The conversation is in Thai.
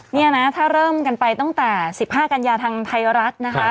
นี่นะถ้าเริ่มกันไปตั้งแต่๑๕กันยาทางไทยรัฐนะคะ